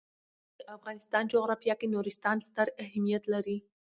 د افغانستان جغرافیه کې نورستان ستر اهمیت لري.